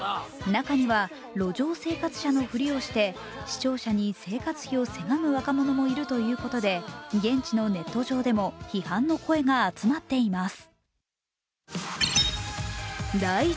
中には、路上生活者のふりをして視聴者に生活費をせがむ若者もいるということで現地のネット上でも批判の声が集まっています。